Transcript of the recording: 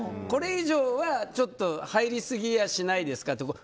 これ以上はちょっと入りすぎやしないですかと。